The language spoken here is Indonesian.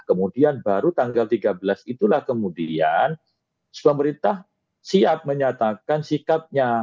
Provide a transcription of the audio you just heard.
kemudian baru tanggal tiga belas itulah kemudian pemerintah siap menyatakan sikapnya